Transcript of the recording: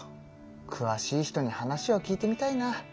くわしい人に話を聞いてみたいな。